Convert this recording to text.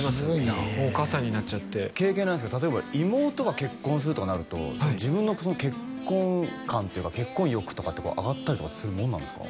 もうお母さんになっちゃって経験ないんですけど例えば妹が結婚するとかなると自分の結婚欲とかって上がったりするもんなんですか？